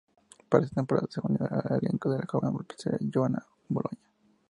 Para esa temporada, se unió al elenco la joven empresaria Joanna Boloña.